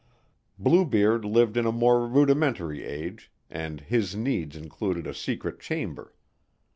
Bluebeard lived in a more rudimentary age, and his needs included a secret chamber.